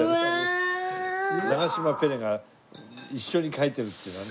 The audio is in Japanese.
長嶋ペレが一緒に書いてるっていうのはね。